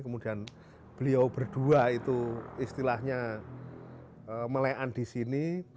kemudian beliau berdua itu istilahnya melean di sini